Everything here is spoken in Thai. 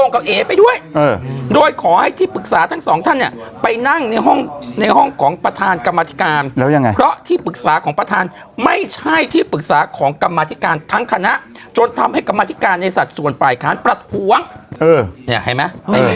เนี่ยไปนั่งในห้องในห้องของประธานกรรมธิการแล้วยังไงเพราะที่ปรึกษาของประธานไม่ใช่ที่ปรึกษาของกรรมธิการทั้งคณะจนทำให้กรรมธิการในสัตว์ส่วนฝ่ายค้านประถวงเออเนี่ยเห็นไหมเออ